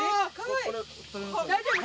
大丈夫？